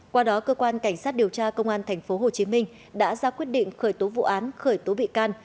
qua đó cơ quan cảnh sát điều tra công an tp hồ chí minh đã ra quyết định khởi tố vụ án khởi tố bị can